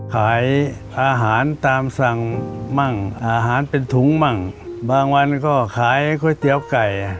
ขายอาหารตามสั่งมั่งอาหารเป็นถุงมั่งบางวันก็ขายก๋วยเตี๋ยวไก่